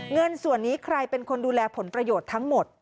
เงินส่วนนี้ใครเป็นคนดูแลผลประโยชน์ทั้งหมด